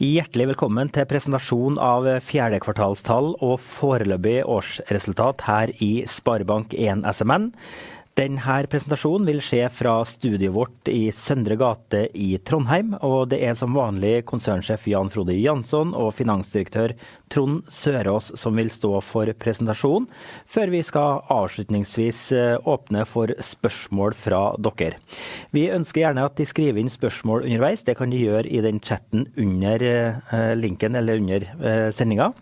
Hjertelig velkommen til presentasjonen av fjerde kvartalstall og foreløpig årsresultat her i Sparebank 1 SMN. Denne presentasjonen vil skje fra studioet vårt i Søndre Gate i Trondheim, og det er som vanlig Konsernsjef Jan Frode Janson og Finansdirektør Trond Sørås som vil stå for presentasjonen. Før vi skal avslutningsvis åpne for spørsmål fra dere. Vi ønsker gjerne at de skriver inn spørsmål underveis. Det kan de gjøre i den chatten under linken eller under sendingen.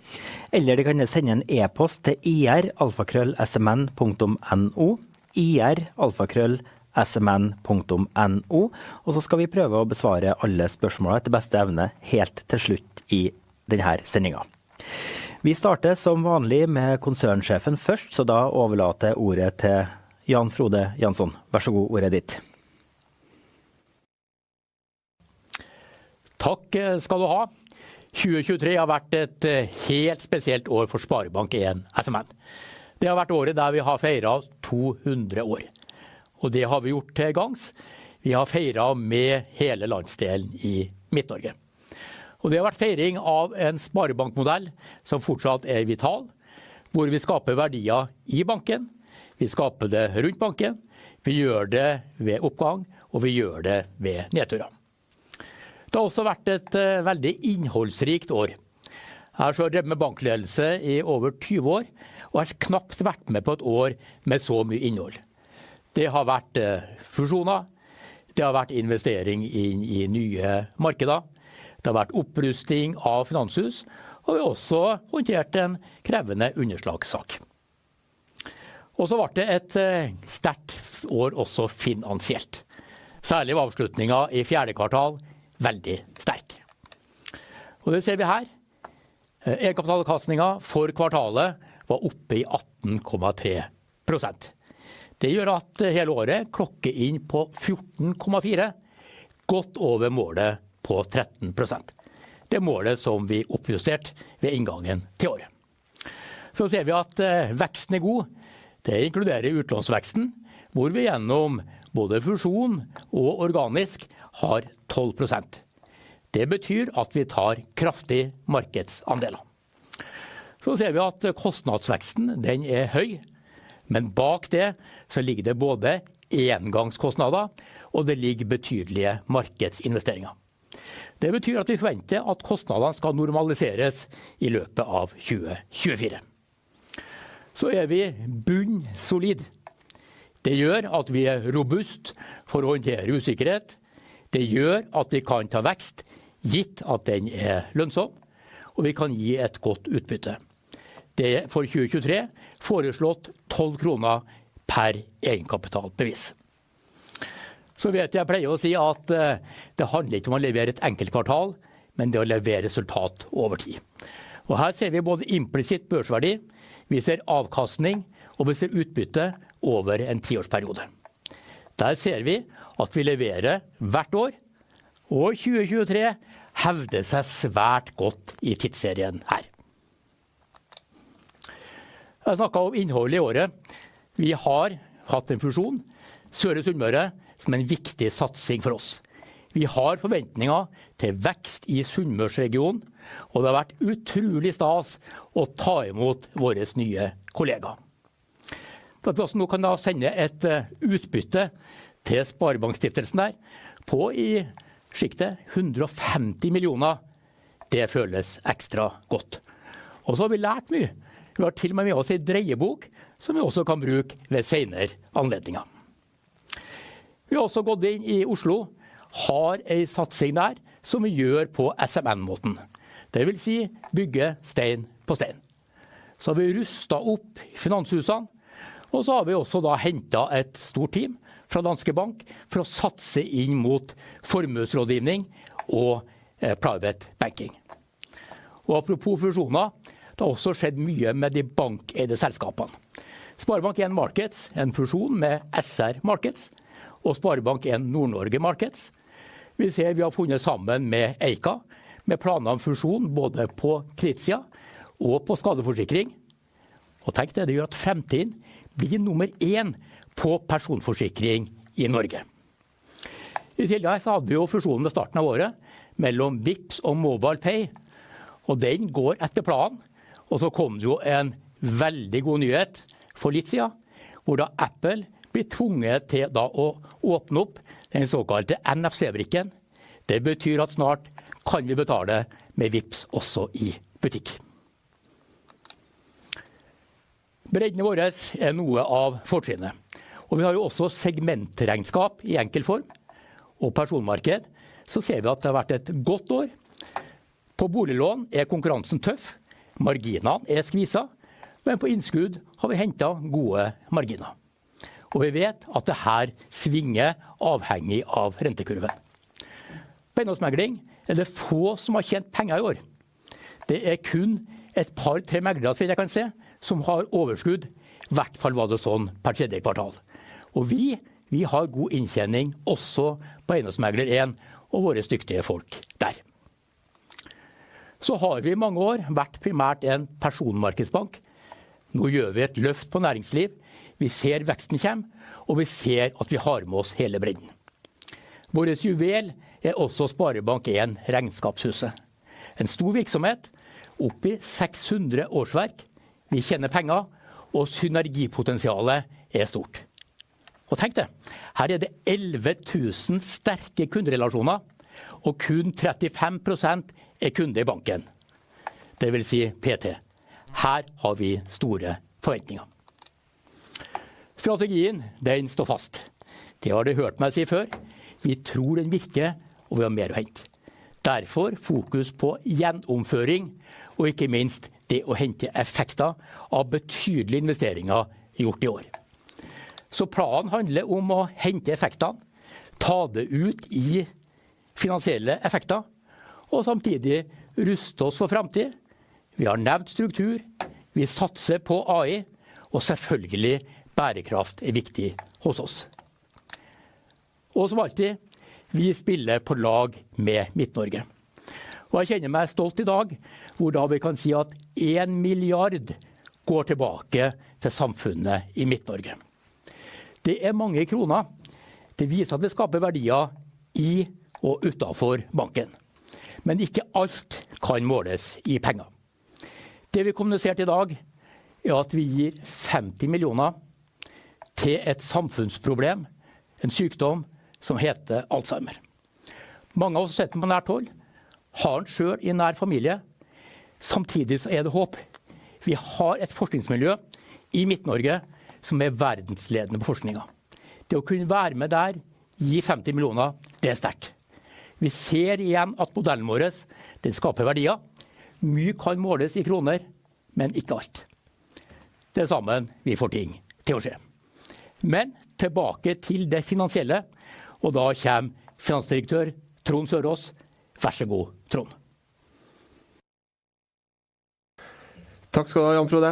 Eller dere kan sende en e-post til ir@smn.no, ir@smn.no. Så skal vi prøve å besvare alle spørsmålene etter beste evne helt til slutt i den her sendingen. Vi starter som vanlig med konsernsjefen først, så da overlater jeg ordet til Jan Frode Janson. Vær så snill! Ordet er ditt. Takk skal du ha! 2023 har vært et helt spesielt år for Sparebank 1 SMN. Det har vært året der vi har feiret 200 år, og det har vi gjort til gangs. Vi har feiret med hele landsdelen i Midt-Norge, og det har vært feiring av en sparebankmodell som fortsatt er vital, hvor vi skaper verdier i banken. Vi skaper det rundt banken. Vi gjør det ved oppgang, og vi gjør det ved nedturer. Det har også vært et veldig innholdsrikt år. Jeg har drevet med bankledelse i over 20 år, og har knapt vært med på et år med så mye innhold. Det har vært fusjoner. Det har vært investering i nye markeder. Det har vært opprusting av finanshus, og vi har også håndtert en krevende underslagssak. Og så ble det et sterkt år, også finansielt. Særlig var avslutningen i fjerde kvartal veldig sterk, og det ser vi her. Eigenkapitalavkastningen for kvartalet var oppe i 18,3%. Det gjør at hele året klokker inn på 14,4%. Godt over målet på 13%. Det er målet som vi oppjusterte ved inngangen til året. Vi ser at veksten er god. Det inkluderer utlånsveksten, hvor vi gjennom både fusjon og organisk har 12%. Det betyr at vi tar kraftig markedsandeler. Vi ser at kostnadsveksten den er høy. Men bak det ligger det både engangskostnader og det ligger betydelige markedsinvesteringer. Det betyr at vi forventer at kostnadene skal normaliseres i løpet av 2024. Vi er bunnsolid. Det gjør at vi er robust for å håndtere usikkerhet. Det gjør at vi kan ta vekst, gitt at den er lønnsom og vi kan gi et godt utbytte. Det for 2023 foreslått 12 kroner per egenkapitalbevis. Så vet jeg pleier å si at det handler ikke om å levere et enkelt kvartal, men det å levere resultat over tid. Og her ser vi både implisitt børsverdi. Vi ser avkastning og vi ser utbytte over en tiårsperiode. Der ser vi at vi leverer hvert år, og 2023 hevder seg svært godt i tidsserien her. Jeg snakket om innholdet i året. Vi har hatt en fusjon, Søre Sunnmøre, som er en viktig satsing for oss. Vi har forventninger til vekst i Sunnmørsregionen, og det har vært utrolig stas å ta imot våre nye kollegaer. At vi også nå kan sende et utbytte til sparebankstiftelsen her på i sjikt NOK 150 millioner. Det føles ekstra godt. Og så har vi lært mye. Vi har til og med med oss en dreiebok som vi også kan bruke ved senere anledninger. Vi har også gått inn i Oslo. Har en satsing der som vi gjør på SMN måten. Det vil si bygge stein på stein. Vi har rustet opp finanshusene. Vi har også da hentet et stort team fra Danske Bank for å satse inn mot formuerådgivning og private banking. Apropos fusjoner. Det har også skjedd mye med de bankeide selskapene. Sparebank 1 Markets en fusjon med SR Markets og Sparebank 1 Nord-Norge Markets. Vi ser vi har funnet sammen med Eika med planer om fusjon både på kredittsiden og på skadeforsikring. Tenk det, det gjør at fremtiden blir nummer en på personforsikring i Norge. I tillegg hadde vi jo fusjonen ved starten av året mellom Vipps og MobilePay, og den går etter planen. Og så kom det jo en veldig god nyhet for litt siden, hvor da Apple blir tvunget til da å åpne opp den såkalte NFC-brikken. Det betyr at snart kan vi betale med Vipps også i butikk. Bredden vår er noe av fortrinnet, og vi har jo også segmentregnskap i enkel form og personmarked. Så ser vi at det har vært et godt år. På boliglån er konkurransen tøff. Marginene er skviset, men på innskudd har vi hentet gode marginer, og vi vet at det her svinger avhengig av rentekurven. Eiendomsmegling er det få som har tjent penger i år. Det er kun et par tre meglere så vidt jeg kan se, som har overskudd. I hvert fall var det sånn per tredje kvartal. Vi har god inntjening også på Eiendomsmegler1 og våre dyktige folk der. Vi har i mange år vært primært en personmarkedsbank. Nå gjør vi et løft på næringsliv. Vi ser veksten kommer, og vi ser at vi har med oss hele bredden. Vårt juvel er også Sparebank 1 Regnskapshuset. En stor virksomhet, oppi 600 årsverk. Vi tjener penger og synergipotensialet er stort. Tenk det, her er det 11.000 sterke kunderelasjoner, og kun 35% er kunde i banken. Her har vi store forventninger. Strategien, den står fast. Det har du hørt meg si før. Vi tror den virker, og vi har mer å hente. Derfor fokus på gjennomføring og ikke minst det å hente effekter av betydelige investeringer gjort i år. Så planen handler om å hente effektene, ta det ut i finansielle effekter og samtidig ruste oss for framtiden. Vi har nevnt struktur, vi satser på AI og selvfølgelig, bærekraft er viktig hos oss. Som alltid, vi spiller på lag med Midt-Norge. Og jeg kjenner meg stolt i dag, hvor da vi kan si at en milliard går tilbake til samfunnet i Midt-Norge. Det er mange kroner. Det viser at vi skaper verdier i og utenfor banken. Men ikke alt kan måles i penger. Det vi kommuniserte i dag, er at vi gir femti millioner til et samfunnsproblem, en sykdom som heter Alzheimer. Mange av oss setter den på nært hold, har den selv i nær familie. Samtidig så er det håp. Vi har et forskningsmiljø i Midt-Norge, som er verdensledende på forskningen. Det å kunne være med der, gi femti millioner, det er sterkt. Vi ser igjen at modellen vår, den skaper verdier. Mye kan måles i kroner, men ikke alt. Det er sammen vi får ting til å skje. Men tilbake til det finansielle, og da kommer Finansdirektør Trond Sørås. Vær så snill! Trond. Takk skal du ha, Jan Frode.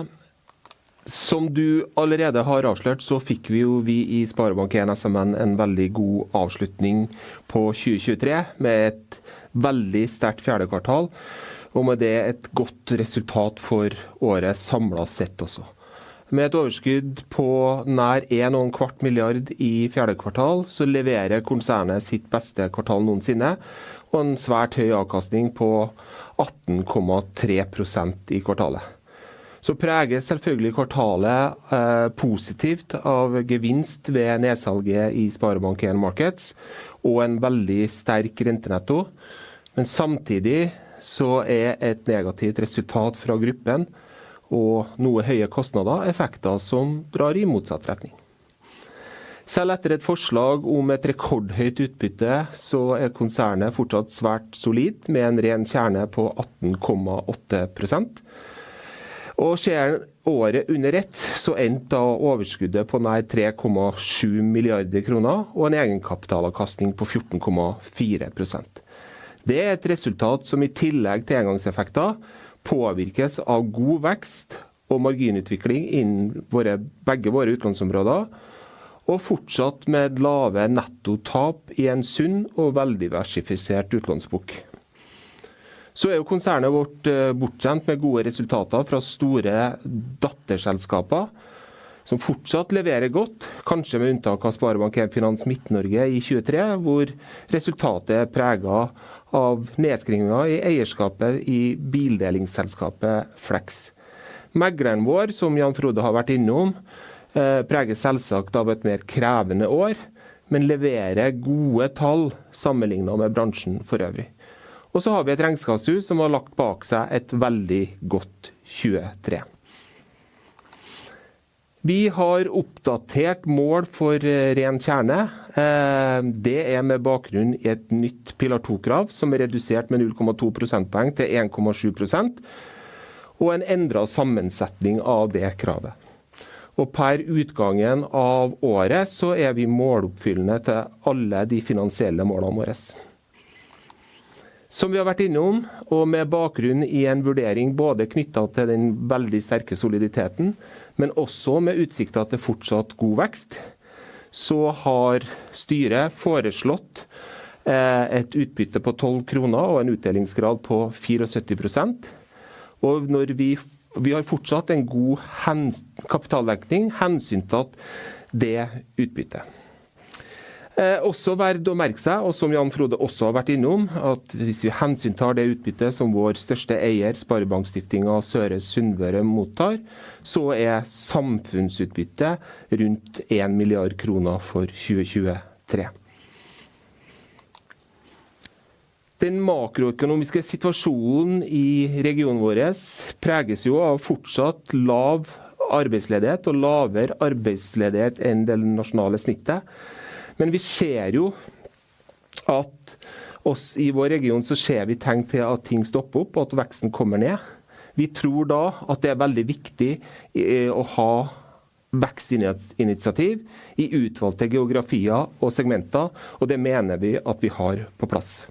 Som du allerede har avslørt, så fikk jo vi i Sparebank 1 SMN en veldig god avslutning på 2023, med et veldig sterkt fjerde kvartal, og med det et godt resultat for året samlet sett også. Med et overskudd på nær 1,25 milliard i fjerde kvartal, så leverer konsernet sitt beste kvartal noensinne og en svært høy avkastning på 18,3% i kvartalet. Så preges selvfølgelig kvartalet positivt av gevinst ved nedsalget i Sparebank 1 Markets og en veldig sterk rentenetto. Men samtidig så er et negativt resultat fra gruppen og noe høye kostnader effekter som drar i motsatt retning. Selv etter et forslag om et rekordhøyt utbytte, så er konsernet fortsatt svært solid, med en ren kjerne på 18,8%. Og ser en året under ett, så endte overskuddet på nær 3,7 milliarder kroner og en egenkapitalavkastning på 14,4%. Det er et resultat som i tillegg til engangseffekter, påvirkes av god vekst og marginutvikling innen våre, begge våre utlånsområder, og fortsatt med lave netto tap i en sunn og veldig diversifisert utlånsbok. Konsernet vårt er bortskjemt med gode resultater fra store datterselskaper, som fortsatt leverer godt. Kanskje med unntak av Sparebank en Finans Midt-Norge i 2023, hvor resultatet er preget av nedskrivninger i eierskapet i bildelingsselskapet Flex. Megleren vår, som Jan Frode har vært innom, preges selvsagt av et mer krevende år, men leverer gode tall sammenlignet med bransjen forøvrig. Vi har et regnskapshus som har lagt bak seg et veldig godt 2023. Vi har oppdatert mål for ren kjerne. Det er med bakgrunn i et nytt pilar to krav, som er redusert med 0,2 prosentpoeng til 1,7% og en endret sammensetning av det kravet. Per utgangen av året så er vi måloppfyllende til alle de finansielle målene våres. Som vi har vært innom, og med bakgrunn i en vurdering både knyttet til den veldig sterke soliditeten, men også med utsikt til fortsatt god vekst, så har styret foreslått et utbytte på NOK 12 og en utdelingsgrad på 74%. Når vi har fortsatt en god kapitaldekning, hensyntatt det utbyttet. Også verdt å merke seg, og som Jan Frode også har vært innom, at hvis vi hensyntar det utbyttet som vår største eier, Sparebankstiftelsen Søre Sunnmøre, mottar, så er samfunnsutbyttet rundt én milliard kroner for 2023. Den makroøkonomiske situasjonen i regionen vår preges jo av fortsatt lav arbeidsledighet og lavere arbeidsledighet enn det nasjonale snittet. Men vi ser jo at, oss i vår region så ser vi tegn til at ting stopper opp og at veksten kommer ned. Vi tror da at det er veldig viktig i å ha vekstinitiativ i utvalgte geografier og segmenter, og det mener vi at vi har på plass.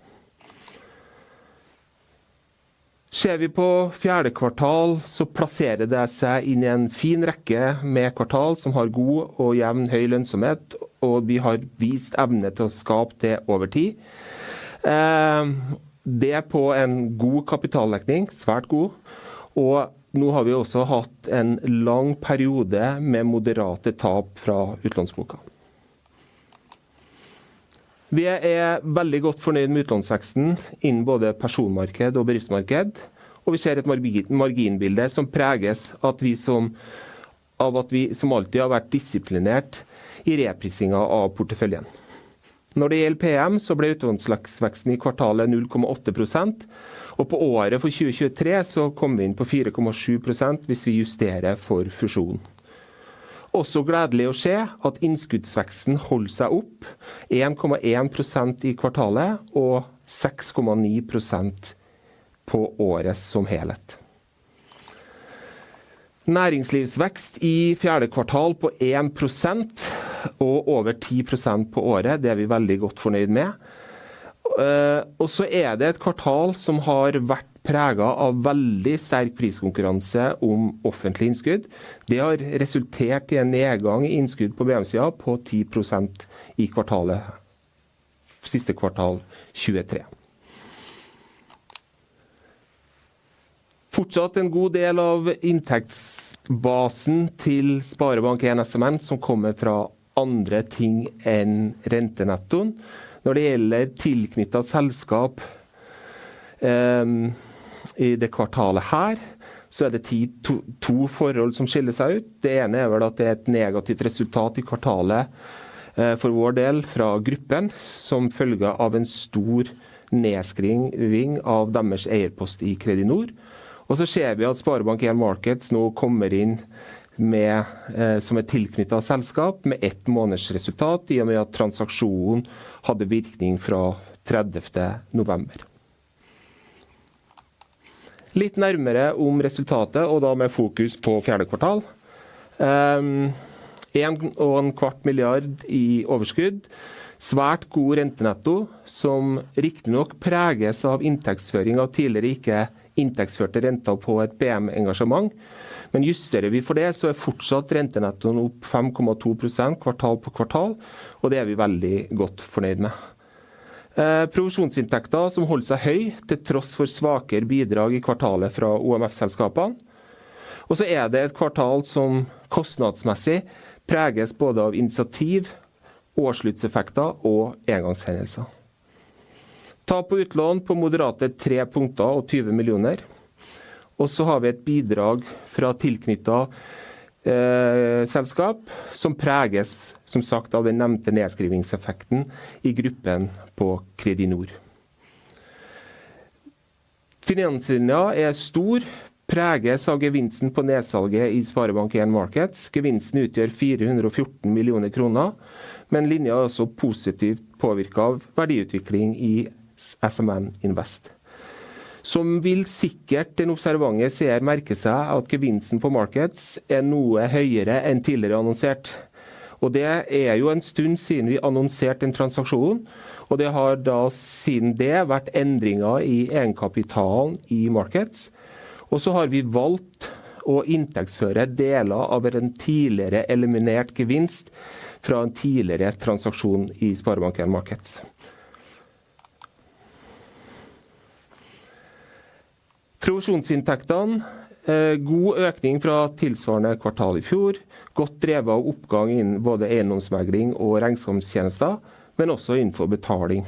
Ser vi på fjerde kvartal så plasserer det seg inn i en fin rekke med kvartal som har god og jevn høy lønnsomhet, og vi har vist evne til å skape det over tid på en god kapitaldekning, svært god. Og nå har vi også hatt en lang periode med moderate tap fra utlånsboka. Vi er veldig godt fornøyd med utlånsveksten innen både personmarked og bedriftsmarked, og vi ser et marginbilde som preges av at vi som alltid har vært disiplinert i reprising av porteføljen. Når det gjelder PM, så ble utlånsveksten i kvartalet 0,8%, og på året for 2023 så kom vi inn på 4,7% hvis vi justerer for fusjonen. Også gledelig å se at innskuddsveksten holder seg opp, 1,1% i kvartalet og 6,9% på året som helhet. Næringslivsvekst i fjerde kvartal på 1% og over 10% på året. Det er vi veldig godt fornøyd med. Og så er det et kvartal som har vært preget av veldig sterk priskonkurranse om offentlige innskudd. Det har resultert i en nedgang i innskudd på BM siden på 10% i kvartalet, siste kvartal 2023. Fortsatt en god del av inntektsbasen til Sparebank 1 SMN som kommer fra andre ting enn rentenetto. Når det gjelder tilknyttede selskap i det kvartalet her, så er det to forhold som skiller seg ut. Det ene er vel at det er et negativt resultat i kvartalet for vår del fra gruppen, som følge av en stor nedskriving av deres eierpost i Credinor. Og så ser vi at Sparebank 1 Markets nå kommer inn som et tilknyttet selskap med ett månedsresultat, i og med at transaksjonen hadde virkning fra 30. november. Litt nærmere om resultatet, og da med fokus på fjerde kvartal. En og en kvart milliard i overskudd. Svært god rentenetto, som riktignok preges av inntektsføring av tidligere ikke inntektsførte renter på et BM-engasjement. Men justerer vi for det, så er fortsatt rentenettoen opp 5,2% kvartal på kvartal. Og det er vi veldig godt fornøyd med. Provisjonsinntekter som holder seg høy til tross for svakere bidrag i kvartalet fra OMF-selskapene. Og så er det et kvartal som kostnadsmessig preges både av initiativ, årsluttseffekter og engangshendelser. Tap på utlån på moderate 3.20 millioner. Og så har vi et bidrag fra tilknyttet selskap som preges som sagt av den nevnte nedskrivningseffekten i gruppen på Credinor. Finanslinjen er stor, preges av gevinsten på nedsalget i Sparebank 1 Markets. Gevinsten utgjør 414 millioner kroner, men linjen er også positivt påvirket av verdiutvikling i SMN Invest. Som vil sikkert den observante seer merke seg at gevinsten på Markets er noe høyere enn tidligere annonsert. Og det er jo en stund siden vi annonserte en transaksjon, og det har da siden det vært endringer i egenkapitalen i Markets. Og så har vi valgt å inntektsføre deler av en tidligere eliminert gevinst fra en tidligere transaksjon i Sparebank 1 Markets. Provisjonsinntektene. God økning fra tilsvarende kvartal i fjor. Godt drevet av oppgang innen både eiendomsmegling og regnskapstjenester, men også innenfor betaling.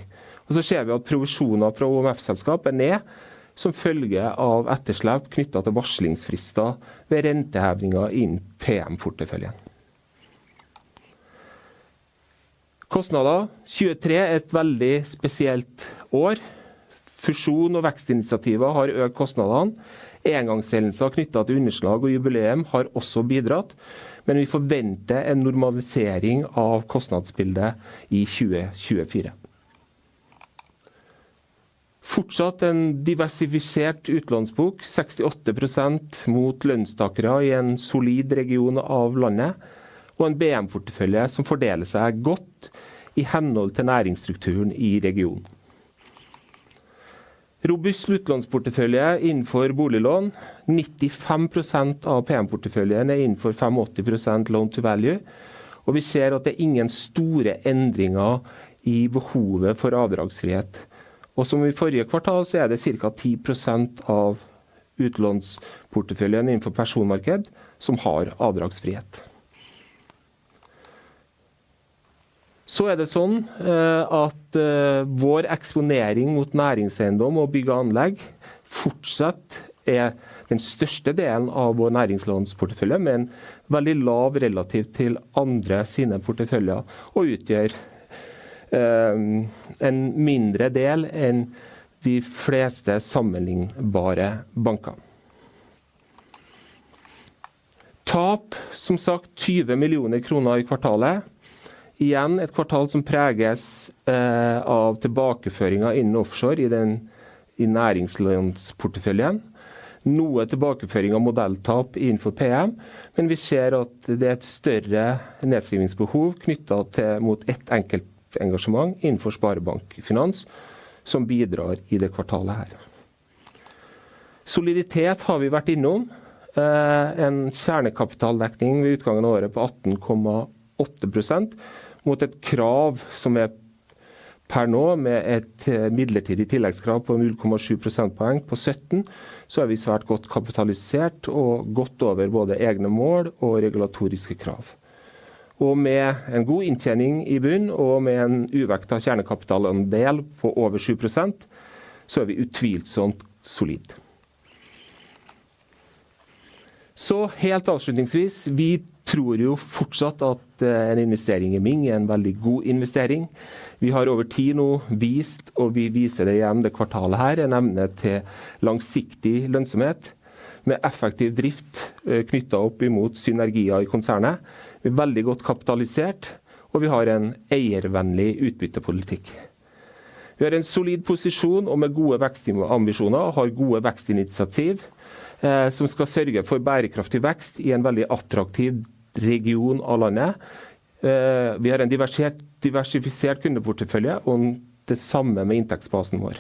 Og så ser vi at provisjoner fra OMF-selskapene er ned som følge av etterslep knyttet til varslingsfrister ved rentehevinger innen PM-porteføljen. Kostnader. 2023 er et veldig spesielt år. Fusjon og vekstinitiativer har økt kostnadene. Engangshendelser knyttet til underslag og jubileum har også bidratt, men vi forventer en normalisering av kostnadsbildet i 2024. Fortsatt en diversifisert utlånsbok, 68% mot lønnstakere i en solid region av landet og en BM-portefølje som fordeler seg godt i henhold til næringsstrukturen i regionen. Robust utlånsportefølje innenfor boliglån. Nittifem prosent av PM-porteføljen er innenfor fem og åtti prosent loan to value, og vi ser at det er ingen store endringer i behovet for avdragsfrihet. Som i forrige kvartal så er det cirka 10% av utlånsporteføljen innenfor personmarked som har avdragsfrihet. Vår eksponering mot næringseiendom og bygg og anlegg fortsatt er den største delen av vår næringslånsportefølje, men veldig lav relativt til andre sine porteføljer, og utgjør en mindre del enn de fleste sammenlignbare banker. Tap, som sagt 20 millioner kroner i kvartalet. Igjen et kvartal som preges av tilbakeføringer innen offshore i næringslånsporteføljen. Noe tilbakeføring av modelltap innenfor PM. Men vi ser at det er et større nedskrivningsbehov knyttet til mot ett enkelt engasjement innenfor Sparebank Finans, som bidrar i det kvartalet her. Soliditet har vi vært innom. En kjernekapitaldekning ved utgangen av året på 18,8% mot et krav som er per nå, med et midlertidig tilleggskrav på 0,7 prosentpoeng. På 17% så er vi svært godt kapitalisert og godt over både egne mål og regulatoriske krav. Med en god inntjening i bunn og med en uvektet kjernekapitalandel på over 7%, så er vi utvilsomt solid. Helt avslutningsvis, vi tror jo fortsatt at en investering i Ming er en veldig god investering. Vi har over tid nå vist, og vi viser det igjen det kvartalet her, en evne til langsiktig lønnsomhet med effektiv drift knyttet opp mot synergier i konsernet. Vi er veldig godt kapitalisert og vi har en eiervennlig utbyttepolitikk. Vi har en solid posisjon og med gode vekstambisjoner og har gode vekstinitiativ som skal sørge for bærekraftig vekst i en veldig attraktiv region av landet. Vi har en diversifisert kundeportefølje og det samme med inntektsbasen vår.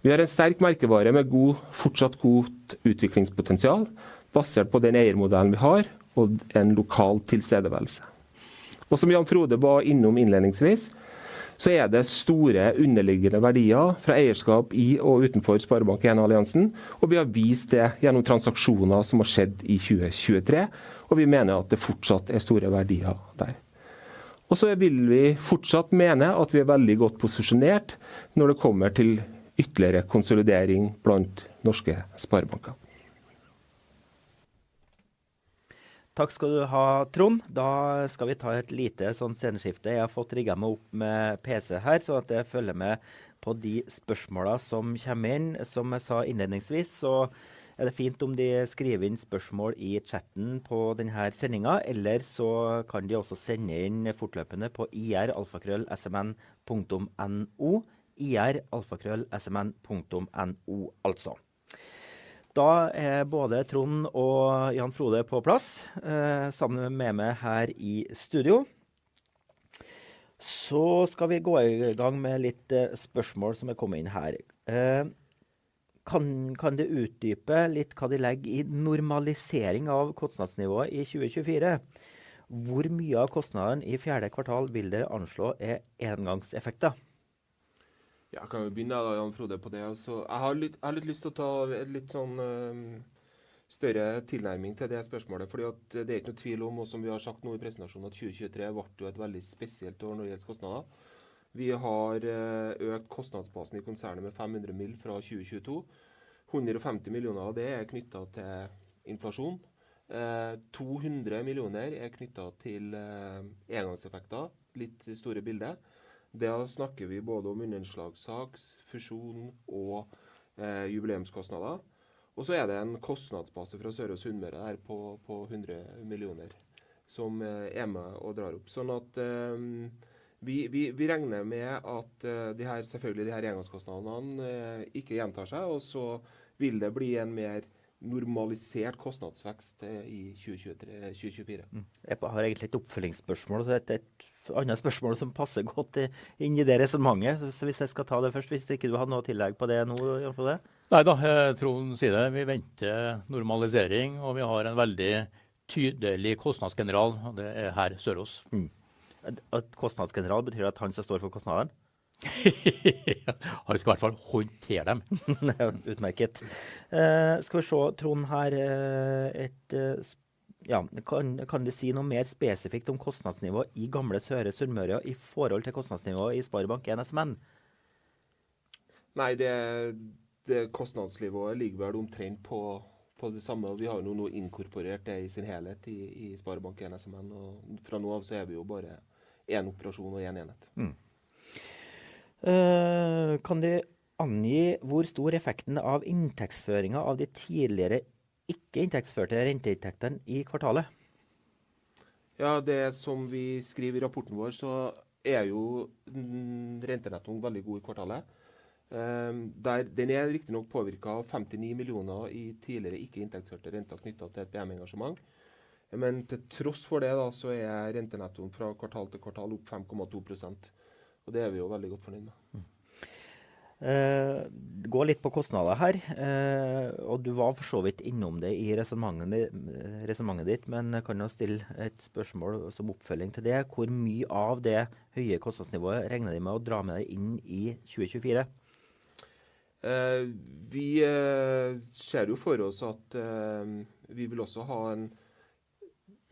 Vi har en sterk merkevare med god, fortsatt god utviklingspotensial basert på den eiermodellen vi har og en lokal tilstedeværelse. Og som Jan Frode var innom innledningsvis, så er det store underliggende verdier fra eierskap i og utenfor Sparebank 1-alliansen, og vi har vist det gjennom transaksjoner som har skjedd i 2023. Vi mener at det fortsatt er store verdier der. Vi vil fortsatt mene at vi er veldig godt posisjonert når det kommer til ytterligere konsolidering blant norske sparebanker. Takk skal du ha, Trond! Da skal vi ta et lite sånt sceneskifte. Jeg har fått rigget meg opp med PC her, sånn at jeg følger med på de spørsmålene som kommer inn. Som jeg sa innledningsvis så er det fint om de skriver inn spørsmål i chatten på den her sendingen. Eller så kan de også sende inn fortløpende på ir@alfakrøll.smn.no. ir@alfakrøll.smn.no altså. Da er både Trond og Jan Frode på plass sammen med meg her i studio. Så skal vi gå i gang med litt spørsmål som er kommet inn her. Kan de utdype litt hva de legger i normalisering av kostnadsnivået i 2024? Hvor mye av kostnaden i fjerde kvartal vil dere anslå er engangseffekter? Ja, kan jo begynne da Jan Frode på det. Så jeg har litt lyst til å ta en litt sånn større tilnærming til det spørsmålet, fordi det er ikke noe tvil om, og som vi har sagt nå i presentasjonen, at 2023 ble jo et veldig spesielt år når det gjelder kostnader. Vi har økt kostnadsbasen i konsernet med NOK 500 millioner fra 2022. NOK 150 millioner av det er knyttet til inflasjon. NOK 200 millioner er knyttet til engangseffekter. Litt store bilde. Det snakker vi både om innslagssaks, fusjon og jubileumskostnader. Og så er det en kostnadsbase fra Sørøya Sunnmøre der på NOK 100 millioner som er med og drar opp. Sånn at vi regner med at de her selvfølgelig, de her engangskostnadene ikke gjentar seg. Og så vil det bli en mer normalisert kostnadsvekst i 2023, 2024. Jeg har egentlig et oppfølgingsspørsmål, så er det et annet spørsmål som passer godt inn i det resonnementet. Hvis jeg skal ta det først, hvis ikke du har noe tillegg på det nå Jan Frode? Nei, da Trond sier det. Vi venter normalisering, og vi har en veldig tydelig kostnadsgenerering, og det er her, Sørås. Mm. Kostnadsgeneral betyr at han står for kostnadene? Han skal i hvert fall håndtere dem. Utmerket. Skal vi se, Trond her et ja. Kan du si noe mer spesifikt om kostnadsnivået i gamle Søre Sunnmøre i forhold til kostnadsnivået i Sparebank 1 SMN? Nei, det kostnadsnivået ligger vel omtrent på det samme. Og vi har jo nå inkorporert det i sin helhet i Sparebank en SMN. Og fra nå av så er vi jo bare en operasjon og en enhet. Mm. Kan du angi hvor stor effekten av inntektsføring av de tidligere ikke inntektsførte renteinntektene i kvartalet? Ja, det som vi skriver i rapporten vår så er jo rentenettoen veldig god i kvartalet, der den er riktignok påvirket av 59 millioner i tidligere ikke inntektsførte renter knyttet til et PM-engasjement. Men til tross for det da, så er rentenettoen fra kvartal til kvartal opp 5,2%. Det er vi jo veldig godt fornøyd med. Mm. Det går litt på kostnader her. Og du var for så vidt innom det i resonnementet ditt. Men kan jeg stille et spørsmål som oppfølging til det? Hvor mye av det høye kostnadsnivået regner de med å dra med seg inn i 2024? Vi ser jo for oss at vi vil også ha en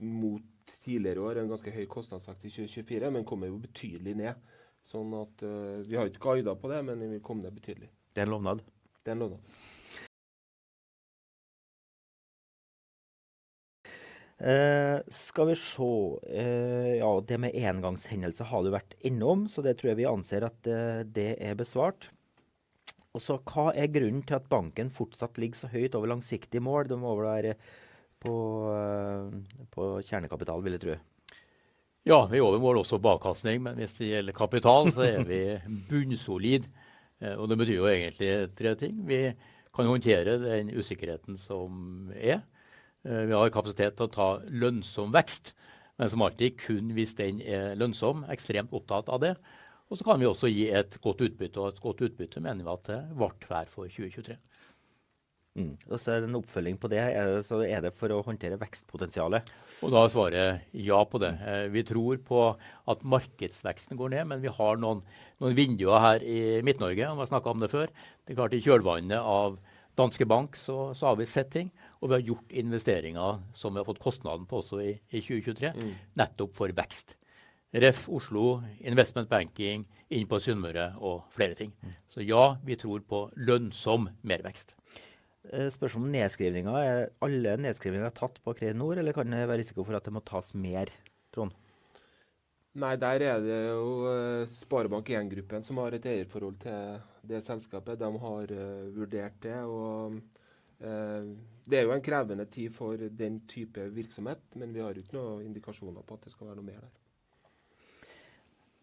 mot tidligere år. En ganske høy kostnadsvekst i 2024, men kommer jo betydelig ned. Sånn at vi har ikke guidet på det, men vi vil komme ned betydelig. Det er en lovnad. Det er en lovnad. Skal vi se. Ja, det med engangshendelse har du vært innom, så det tror jeg vi anser at det er besvart. Og så, hva er grunnen til at banken fortsatt ligger så høyt over langsiktige mål? Du må vel være på kjernekapital, vil jeg tro. Ja, vi overvåker også bakkastring. Men hvis det gjelder kapital, så er vi bunnsolid. Og det betyr jo egentlig tre ting. Vi kan håndtere den usikkerheten som er. Vi har kapasitet til å ta lønnsom vekst, men som alltid kun hvis den er lønnsom. Ekstremt opptatt av det. Og så kan vi også gi et godt utbytte og et godt utbytte mener vi at det hvert fall for 2023. Mm. Og så er det en oppfølging på det. Så er det for å håndtere vekstpotensialet? Og da er svaret ja på det. Vi tror på at markedsveksten går ned. Men vi har noen vinduer her i Midt-Norge, og vi har snakket om det før. Det er klart, i kjølvannet av Danske Bank så har vi setting, og vi har gjort investeringer som vi har fått kostnaden på også i 2023. Nettopp for vekst. Ref. Oslo Investment Banking inn på Sunnmøre og flere ting. Så ja, vi tror på lønnsom mervekst. Spørsmål om nedskrivninger. Er alle nedskrivninger tatt på Credit Nor, eller kan det være risiko for at det må tas mer, Trond? Nei, der er det jo Sparebank 1 Gruppen som har et eierforhold til det selskapet. De har vurdert det, og det er jo en krevende tid for den type virksomhet. Men vi har ikke noen indikasjoner på at det skal være noe mer der.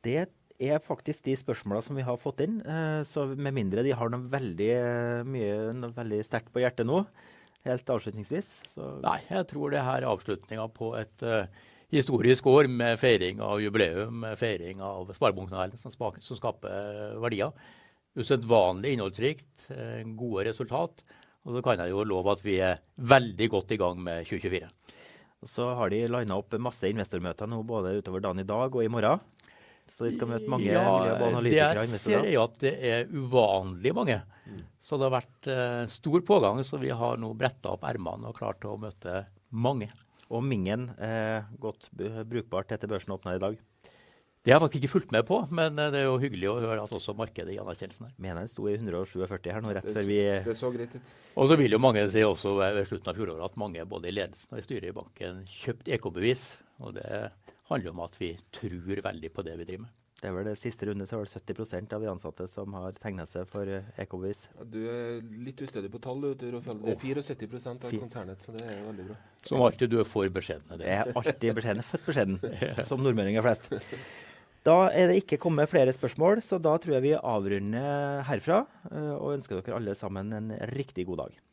Det er faktisk de spørsmålene som vi har fått inn. Så med mindre de har noe veldig mye, veldig sterkt på hjertet nå, helt avslutningsvis så. Nei, jeg tror det her er avslutningen på et historisk år med feiring av jubileum, feiring av sparebankene som skaper verdier. Usedvanlig innholdsrikt. Gode resultat. Og så kan jeg jo love at vi er veldig godt i gang med 2024. Og så har de linet opp masse investormøter nå, både utover dagen i dag og i morgen. Så de skal møte mange analytikere. Det jeg ser er at det er uvanlig mange. Så det har vært stor pågang. Så vi har nå brettet opp ermene og er klar til å møte mange. Og Mingen er godt brukbart etter børsåpningen i dag. Det har nok ikke fulgt med på. Men det er jo hyggelig å høre at også markedet i anerkjennelsen. Jeg mener den sto i hundre og syttisyv her nå rett før vi. Det så greit ut. Og så vil jo mange si også ved slutten av fjoråret at mange både i ledelsen og i styret i banken kjøpte EK-bevis. Og det handler om at vi tror veldig på det vi driver med. Det var det siste rundene, så var det 70% av de ansatte som har tegnet seg for EK bevis. Du er litt ustødig på tall du, Tor Feldberg. 74% av konsernet, så det er veldig bra. Som alltid, du er for beskjeden. Jeg er alltid beskjeden, født beskjeden. Som nordmenn er flest. Da er det ikke kommet flere spørsmål. Så da tror jeg vi avrunder herfra og ønsker dere alle sammen en riktig god dag!